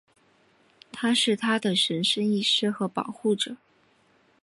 他是她的神圣医师和保护者。